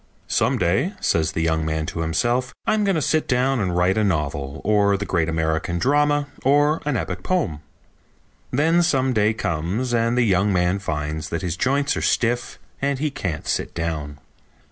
"Some day," says the young man to himself, "I'm going to sit down and write a novel, or the great American drama, or an epic poem." Then some day comes and the young man finds that his joints are stiff and he can't sit down.